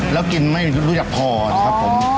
แล้วกินไม่รู้จักพอนะครับผม